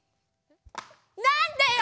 なんだよ！